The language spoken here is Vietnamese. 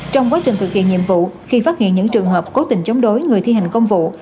trong quá trình thực hiện nhiệm vụ khi phát hiện những trường hợp cố tình chống đối người thi hành công vụ